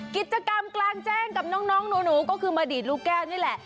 กิจกรรมกลางแจ้งกับน้องหนูก็คือมาดีดลูกแก้วนี่แหละ